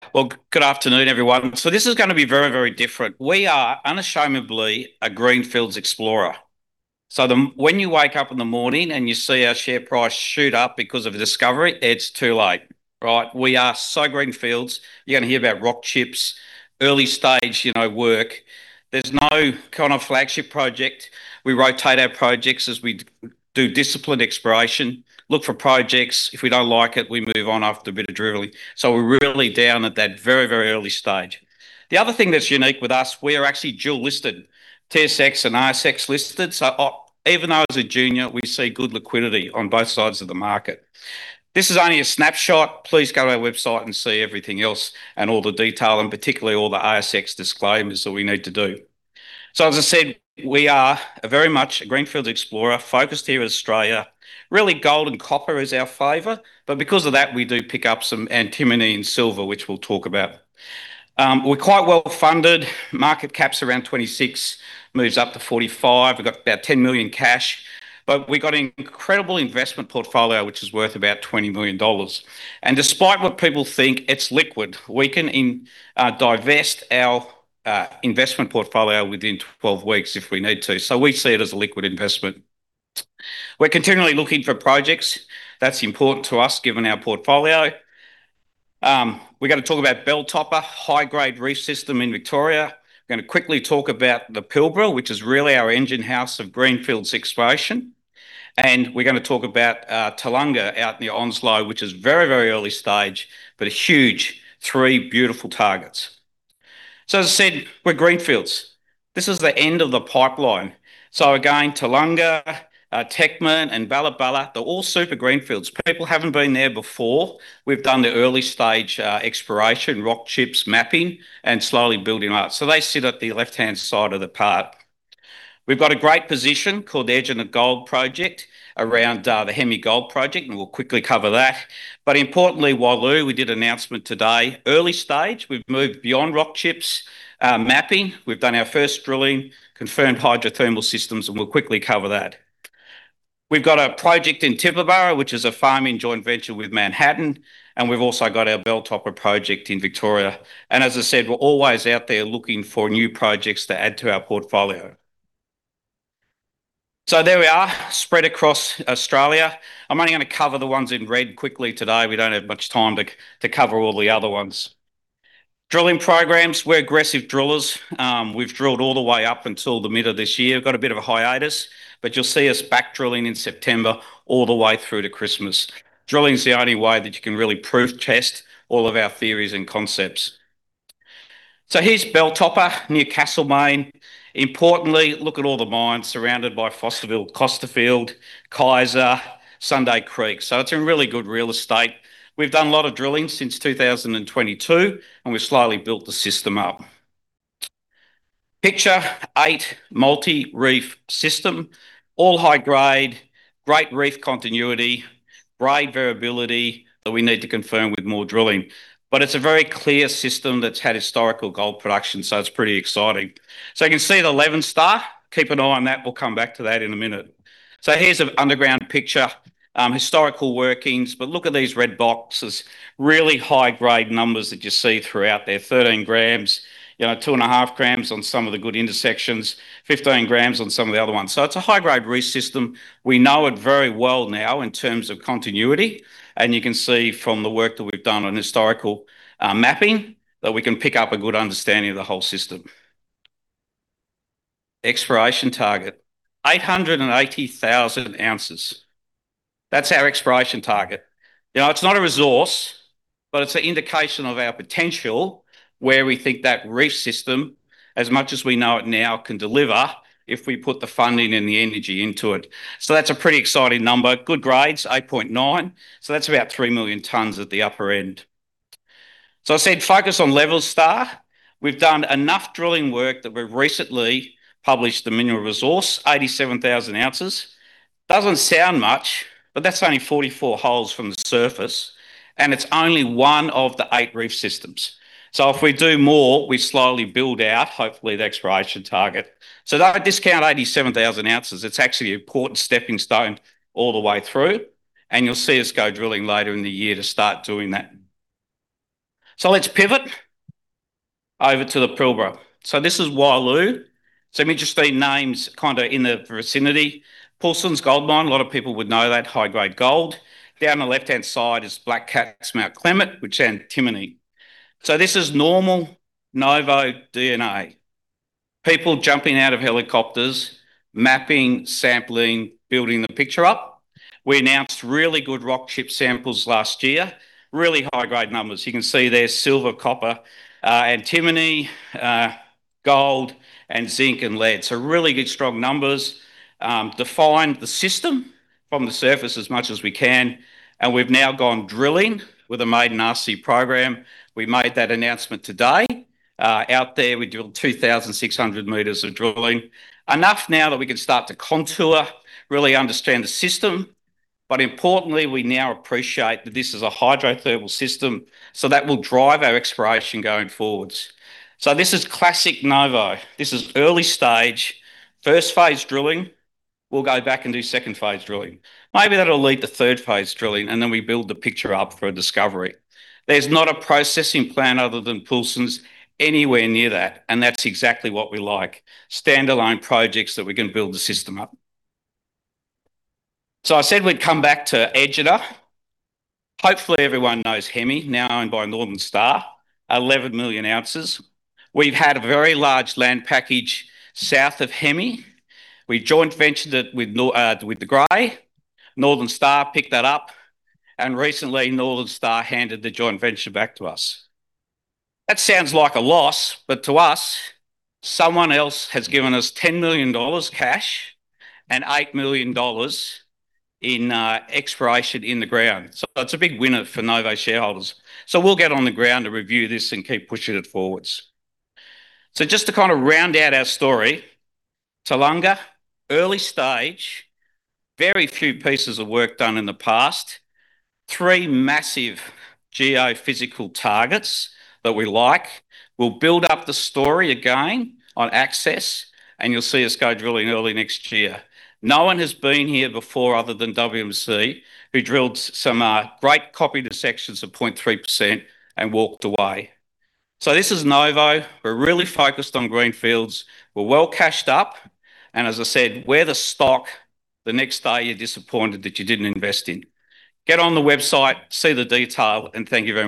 Well, good afternoon, everyone. This is going to be very different. We are unashamedly a greenfields explorer. When you wake up in the morning and you see our share price shoot up because of a discovery, it's too late. Right? We are so greenfields, you're going to hear about rock chips, early stage work. There's no kind of flagship project. We rotate our projects as we do disciplined exploration, look for projects. If we don't like it, we move on after a bit of drilling. We're really down at that very early stage. The other thing that's unique with us, we are actually dual listed, TSX and ASX listed. Even though as a junior, we see good liquidity on both sides of the market. This is only a snapshot. Please go to our website and see everything else and all the detail, and particularly all the ASX disclaimers that we need to do. As I said, we are very much a greenfields explorer focused here in Australia. Really, gold and copper is our favor, but because of that, we do pick up some antimony and silver, which we'll talk about. We're quite well funded. Market cap's around 26 million, moves up to 45 million. We've got about 10 million cash. We got an incredible investment portfolio, which is worth about 20 million dollars. Despite what people think, it's liquid. We can divest our investment portfolio within 12 weeks if we need to. We see it as a liquid investment. We're continually looking for projects. That's important to us, given our portfolio. We're going to talk about Belltopper, high-grade reef system in Victoria. We're going to quickly talk about the Pilbara, which is really our engine house of greenfields exploration. We're going to talk about Toolunga out in the Onslow, which is very early stage, but a huge three beautiful targets. As I said, we're greenfields. This is the end of the pipeline. Again, Toolunga, TechGen and Balla Balla, they're all super greenfields. People haven't been there before. We've done the early stage exploration, rock chips, mapping, and slowly building up. They sit at the left-hand side of the map. We've got a great position called the Egina Gold Project around the Hemi Gold Project, and we'll quickly cover that. Importantly, Wyloo, we did an announcement today. Early stage, we've moved beyond rock chips, mapping. We've done our first drilling, confirmed hydrothermal systems, and we'll quickly cover that. We've got a project in Tibooburra, which is a farm-in joint venture with Manhattan Corporation, and we've also got our Belltopper project in Victoria. As I said, we're always out there looking for new projects to add to our portfolio. There we are, spread across Australia. I'm only going to cover the ones in red quickly today. We don't have much time to cover all the other ones. Drilling programs, we're aggressive drillers. We've drilled all the way up until the middle of this year. Got a bit of a hiatus, but you'll see us back drilling in September all the way through to Christmas. Drilling is the only way that you can really proof test all of our theories and concepts. Here's Belltopper, near Castlemaine. Importantly, look at all the mines surrounded by Fosterville, Kaiser, Sunday Creek. It's in really good real estate. We've done a lot of drilling since 2022, and we've slowly built the system up. Picture 8 multi-reef system, all high grade, great reef continuity, grade variability that we need to confirm with more drilling. But it's a very clear system that's had historical gold production, it's pretty exciting. You can see the Leven Star. Keep an eye on that. We'll come back to that in a minute. Here's an underground picture, historical workings. But look at these red boxes. Really high-grade numbers that you see throughout there. 13 grams, 2.5 grams on some of the good intersections, 15 grams on some of the other ones. It's a high-grade reef system. We know it very well now in terms of continuity. You can see from the work that we've done on historical mapping, that we can pick up a good understanding of the whole system. Exploration target, 880,000 ounces. That's our exploration target. It's not a resource, but it's an indication of our potential, where we think that reef system, as much as we know it now, can deliver if we put the funding and the energy into it. That's a pretty exciting number. Good grades, 8.9. That's about 3 million tonnes at the upper end. I said focus on Leven Star. We've done enough drilling work that we've recently published the mineral resource, 87,000 ounces. Doesn't sound much, but that's only 44 holes from the surface, and it's only one of the 8 reef systems. If we do more, we slowly build out, hopefully, the exploration target. Don't discount 87,000 ounces. It's actually an important stepping stone all the way through, and you'll see us go drilling later in the year to start doing that. Let's pivot over to the Pilbara. This is Wyloo. Some interesting names kind of in the vicinity. Paulsens Gold Mine, a lot of people would know that, high-grade gold. Down the left-hand side is Black Cats, Mt Clement, which is antimony. This is normal Novo DNA. People jumping out of helicopters, mapping, sampling, building the picture up. We announced really good rock chip samples last year. Really high-grade numbers. You can see there, silver, copper, antimony, gold, and zinc and lead. Really good, strong numbers. Defined the system from the surface as much as we can, and we've now gone drilling with a maiden RC program. We made that announcement today. Out there, we drilled 2,600 meters of drilling. Enough now that we can start to contour, really understand the system. But importantly, we now appreciate that this is a hydrothermal system, that will drive our exploration going forwards. This is classic Novo. This is early stage. First phase drilling, we'll go back and do second phase drilling. Maybe that'll lead to third phase drilling, and then we build the picture up for a discovery. There's not a processing plant other than Paulsens anywhere near that, and that's exactly what we like. Standalone projects that we can build the system up. I said we'd come back to Egina. Hopefully, everyone knows Hemi, now owned by Northern Star, 11 million ounces. We've had a very large land package south of Hemi. We joint ventured it with De Grey. Northern Star picked that up, and recently, Northern Star handed the joint venture back to us. That sounds like a loss. To us, someone else has given us 10 million dollars cash and 8 million dollars in exploration in the ground. It's a big winner for Novo shareholders. We'll get on the ground to review this and keep pushing it forwards. Just to kind of round out our story, Toolunga, early stage, very few pieces of work done in the past. Three massive geophysical targets that we like. We'll build up the story again on access, and you'll see us go drilling early next year. No one has been here before other than WMC, who drilled some great copper intersections of 0.3% and walked away. This is Novo. We're really focused on greenfields. We're well cashed up. As I said, we're the stock the next day you're disappointed that you didn't invest in. Get on the website, see the detail, and thank you very much.